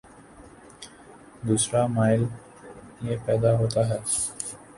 دوسرا مألہ یہ پیدا ہوتا ہے